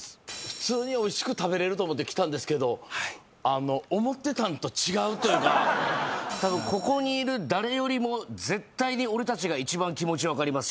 普通においしく食べれると思って来たんですけど思ってたんと違うというか多分ここにいる誰よりも絶対に俺たちが一番気持ちわかります